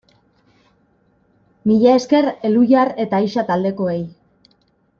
Mila esker Elhuyar eta Ixa taldekoei!